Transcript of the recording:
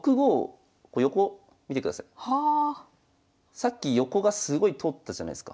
さっき横がすごい通ったじゃないすか。